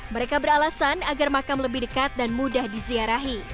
mereka beralasan agar makam lebih dekat dan mudah diziarahi